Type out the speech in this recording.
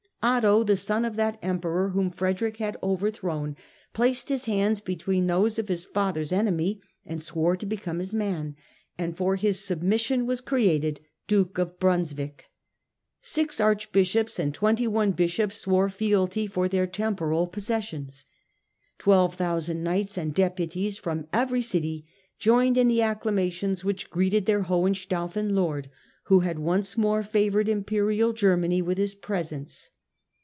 Otho, the son of that Emperor whom Frederick had overthrown, placed his hands between those of his father's enemy and swore to become his man ; and for this submission was created Duke of Brunswick. Six Archbishops and twenty one Bishops swore fealty for their temporal possessions. Twelve thousand knights and deputies from every city joined in the acclamations which greeted their Hohenstaufen lord, who had once more favoured Imperial Germany with his presence.